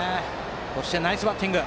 そして、ナイスバッティング！